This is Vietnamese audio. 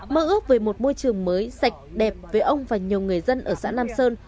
mơ ước về một môi trường mới sạch đẹp với ông và nhiều người dân ở xã nam sơn